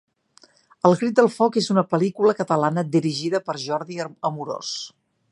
El crit del foc és una pel·lícula catalana dirigida per Jordi Amorós.